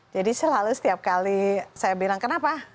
selalu setiap kali saya bilang kenapa